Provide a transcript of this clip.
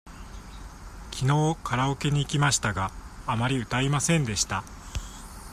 きのうカラオケに行きましたが、あまり歌いませんでした。